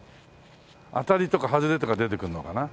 当たりとかはずれとか出てくんのかな？